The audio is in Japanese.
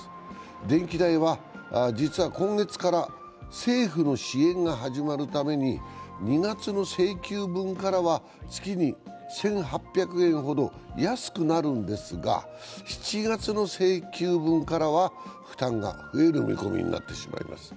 電気代は実は今月から政府の支援が始まるために２月の請求分からは月に１８００円ほど安くなるんですが７月の請求分からは負担が増える見込みになってしまいます。